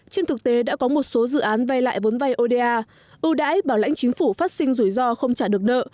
trên thực tế đã có một số dự án vay lại vốn vay oda ưu đãi bảo lãnh chính phủ phát sinh rủi ro không trả được nợ